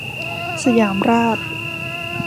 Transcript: สยามราช